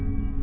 aku mau lihat